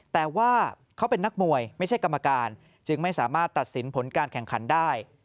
แต่ว่าเขาเป็นนักมวยไม่ใช่กรรมการจึงไม่สามารถตัดสินผลการแข่งขันได้